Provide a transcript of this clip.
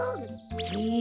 へえ。